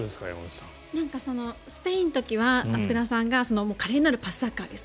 スペインの時は福田さんが華麗なるパスサッカーですと。